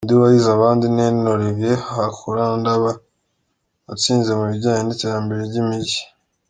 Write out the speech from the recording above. Undi wahize abandi ni Henry Oliver Hakulandaba watsinze mu bijyanye n’iterambere ry’imijyi.